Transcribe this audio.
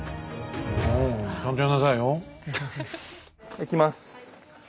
いきます。